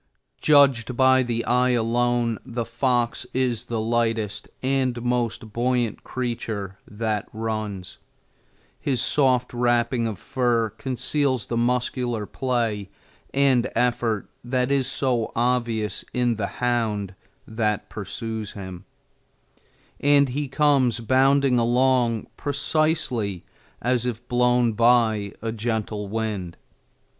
Judged by the eye alone, the fox is the lightest and most buoyant creature that runs. His soft wrapping of fur conceals the muscular play and effort that is so obvious in the hound that pursues him, and he comes bounding along precisely as if blown by a gentle wind.